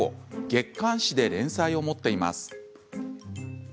月刊誌で連載を持っています。